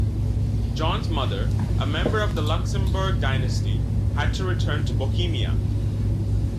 John's mother, a member of the Luxemburg dynasty, had to return to Bohemia.